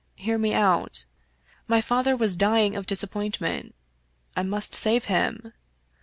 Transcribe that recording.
Hear me out. My father was dying of dis appointment. I must save him.